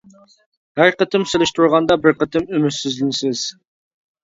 ھەر قېتىم سېلىشتۇرغاندا بىر قېتىم ئۈمىدسىزلىنىسىز!